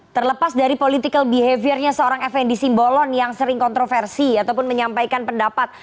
terlepas dari political behaviornya seorang fnd simbolon yang sering kontroversi ataupun menyampaikan pendapat